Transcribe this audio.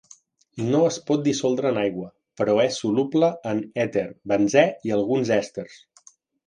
No es pot dissoldre en aigua, però és soluble en èter, benzè i alguns èsters.